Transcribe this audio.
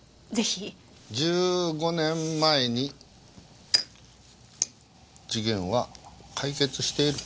１５年前に事件は解決している。